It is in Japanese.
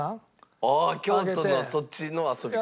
ああ京都のそっちの遊び方。